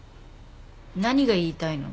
何が言いたいの？